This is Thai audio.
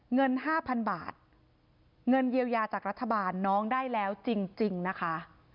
เงินห้าพันบาทเงินเยียวยาจากรัฐบาลน้องได้แล้วจริงนะคะ